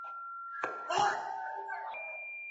ملي ورځي بې لمانځلو نه تېریږي.